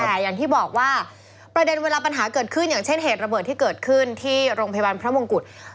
แต่อย่างที่บอกว่าประเด็นเวลาปัญหาเกิดขึ้นอย่างเช่นเหตุระเบิดที่เกิดขึ้นที่โรงพยาบาลพระมงกุฎ